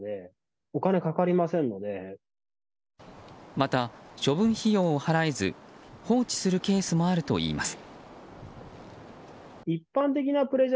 また、処分費用を払えず放置するケースもあるといいます。